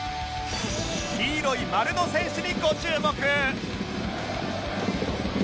黄色い丸の選手にご注目